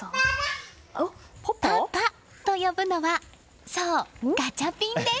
「ぱぱ」と呼ぶのはそう、ガチャピンです。